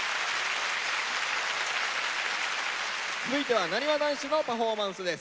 続いてはなにわ男子のパフォーマンスです。